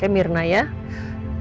ya mirna ya bu bos pokoknya tenang aja